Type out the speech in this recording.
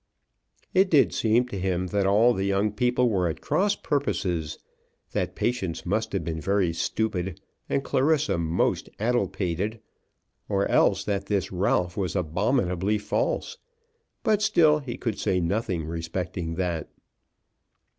It did seem to him that all the young people were at cross purposes, that Patience must have been very stupid and Clarissa most addlepated, or else that this Ralph was abominably false; but still, he could say nothing respecting that.